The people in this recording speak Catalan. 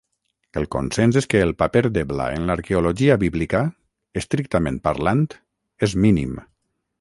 El consens és que el paper d'Ebla en l'arqueologia bíblica, estrictament parlant, és mínim.